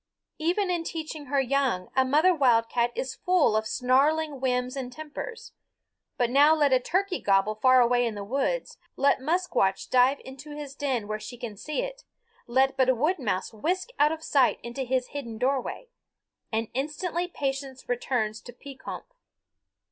Even in teaching her young a mother wildcat is full of snarling whims and tempers; but now let a turkey gobble far away in the woods, let Musquash dive into his den where she can see it, let but a woodmouse whisk out of sight into his hidden doorway, and instantly patience returns to Pekompf.